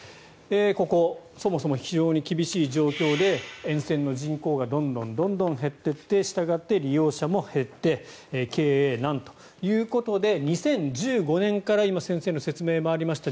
ここそもそも非常に厳しい状況で沿線の人口がどんどん減っていいってしたがって利用者も減って経営難ということで２０１５年から今、先生の説明もありました